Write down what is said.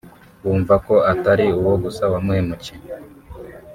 wumva ko atari uwo gusa wamuhemukiye